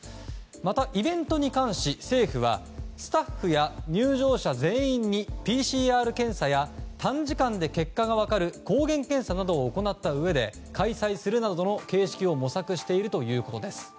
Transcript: またイベントに関し政府はスタッフや入場者全員にＰＣＲ検査や短時間で結果が分かる抗原検査などを行ったうえで開催するなどの形式を模索しているということです。